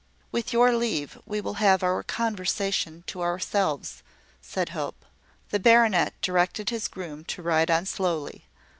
"With your leave, we will have our conversation to ourselves," said Hope. The baronet directed his groom to ride on slowly.